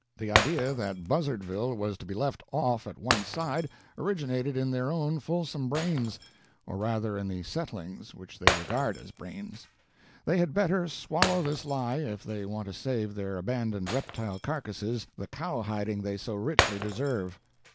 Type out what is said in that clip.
The idea that Buzzardville was to be left off at one side originated in their own fulsome brains or rather in the settlings which they regard as brains. They had better swallow this lie if they want to save their abandoned reptile carcasses the cowhiding they so richly deserve.